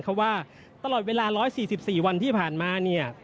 คนเขาว่าตลอดเวลา๑๔๔วันที่ผ่านมา